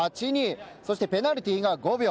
そしてペナルティーが５秒。